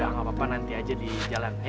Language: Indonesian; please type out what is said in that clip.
udah gak apa apa nanti aja di jalan ya